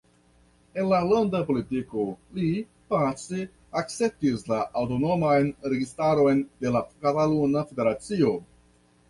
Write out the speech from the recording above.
En la landa politiko, li pace akceptis la aŭtonoman registaron de la Kataluna Federacio.